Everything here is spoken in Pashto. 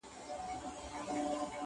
هغه چي پولي د ایمان وې اوس یې نښه نسته!.